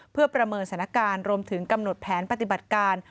เพื่อประเมินสถานการณ์รวมถึงกำหนดแผนปฏิบัติการ